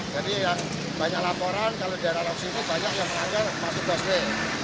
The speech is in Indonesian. jadi yang banyak laporan kalau di daerah loksini banyak yang melanggar masuk busway